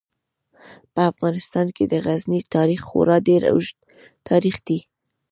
په افغانستان کې د غزني تاریخ خورا ډیر اوږد تاریخ دی.